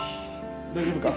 大丈夫か。